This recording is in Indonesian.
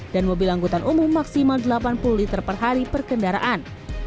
dan mobil anggutan umum maksimal enam puluh liter per hari perkendaraan